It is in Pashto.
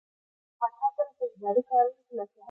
پاچا تل په اداري کارونو کې لاسوهنه کوي.